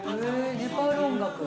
ネパール音楽？